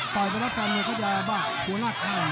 ต่อยประวัติฟันเนี่ยก็จะบ้าง